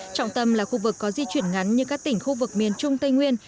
trọng tâm là khu vực có di chuyển ngắn như các tỉnh khu vực miền trung tây nguyên